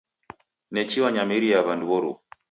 Nechi wanyamiria w'andu w'oruw'u.